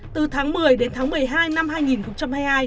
từ tháng một mươi đến tháng một mươi hai năm hai nghìn hai mươi hai